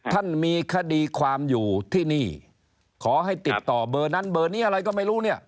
ท่านมีคดีความอยู่ที่นี่ขอให้ติดต่อเบอร์นั้นเบอร์นี้อะไรก็ไม่รู้เนี่ย